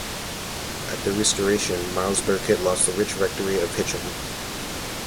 At the Restoration, Miles Burkitt lost the rich rectory of Hitcham.